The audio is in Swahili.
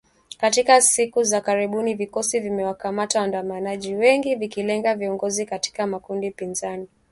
Katika siku za karibuni vikosi vimewakamata waandamanaji wengi , vikilenga viongozi katika makundi pinzani